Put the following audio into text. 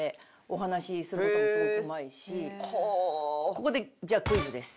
ここでじゃあクイズです。